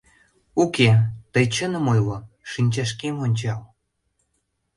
— Уке, тый чыным ойло, шинчашкем ончал.